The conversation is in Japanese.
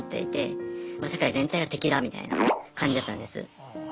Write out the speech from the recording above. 社会全体が敵だみたいな感じだったんです。